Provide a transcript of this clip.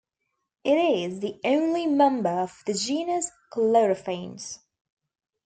It is the only member of the genus Chlorophanes.